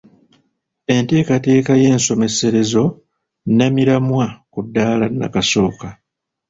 Enteekateeka y'ensomeserezo nnamiramwa ku ddaala nnakasooka.